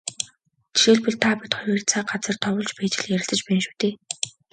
Жишээлбэл, та бид хоёр цаг, газар товлож байж л ярилцаж байна шүү дээ.